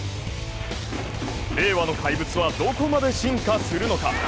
令和の怪物はどこまで進化するのか。